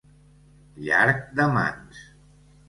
Llarg de mans.